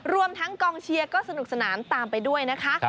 รวมทั้งกองเชียร์ก็สนุกสนานตามไปด้วยนะคะ